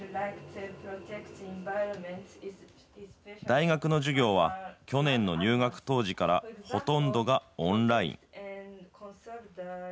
大学の授業は、去年の入学当時からほとんどがオンライン。